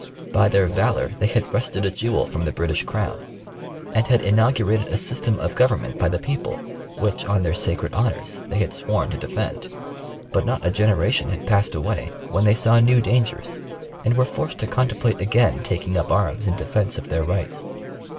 By their valor they had wrested a jewel from the British Crown, and had inaugurated a system of government by the people, which on their sacred honors they had sworn to defend. But not a generation had passed away when they saw new dan gers, and were forced to contemplate again taking up arms in defence of their rights.